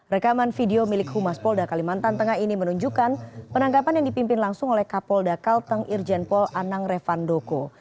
rekaman video milik humas polda kalimantan tengah ini menunjukkan penangkapan yang dipimpin langsung oleh kapolda kalteng irjen pol anang revandoko